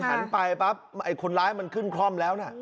หันไปปั๊บไอ้คนร้ายมันขึ้นคล่อมแล้วนะ